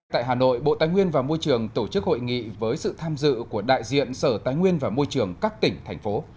tại hà nội bộ tài nguyên và môi trường tổ chức hội nghị với sự tham dự của đại diện sở tài nguyên và môi trường các tỉnh thành phố